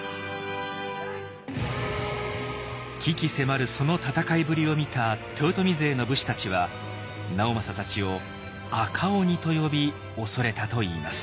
鬼気迫るその戦いぶりを見た豊臣勢の武士たちは直政たちを「あかおに」と呼び恐れたといいます。